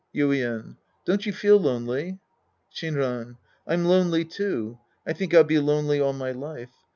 Yuien. Don't you feel lonely ? Shinran. I'm lonely, too. I think I'll be lonely all my life.